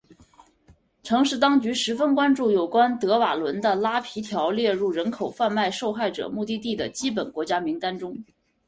城市当局十分关注有关德瓦伦的拉皮条列入人口贩卖受害者目的地的基本国家名单中。